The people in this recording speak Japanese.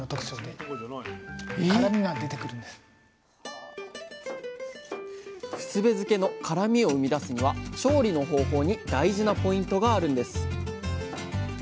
あふすべ漬の辛みを生み出すには調理の方法に大事なポイントがあるんです